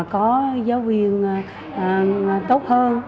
có giáo viên tốt hơn